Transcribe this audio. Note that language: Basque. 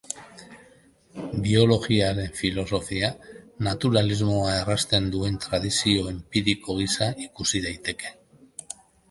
Biologiaren filosofia naturalismoa errazten duen tradizio enpiriko gisa ikusi daiteke.